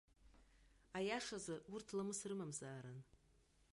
Аиашазы, урҭ ламыс рымамзаарын!